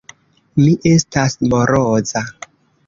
Mi estas moroza.